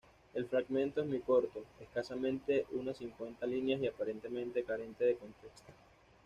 El fragmento es muy corto, escasamente unas cincuenta líneas y aparentemente carente de contexto.